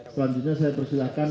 selanjutnya saya persilahkan